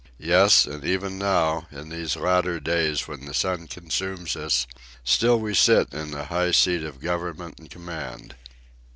Yes, and even now, in these latter days when the sun consumes us, still we sit in the high seat of government and command.